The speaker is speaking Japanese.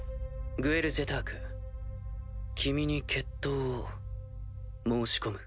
グエル・ジェターク君に決闘を申し込む。